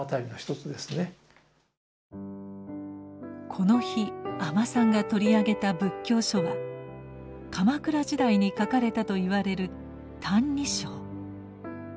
この日阿満さんが取り上げた仏教書は鎌倉時代に書かれたといわれる「歎異抄」。